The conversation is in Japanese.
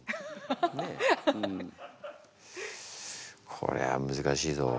これは難しいぞ。